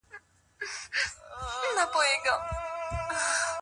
آیا د نجلۍ او هلک حکم په علم کي يو دی؟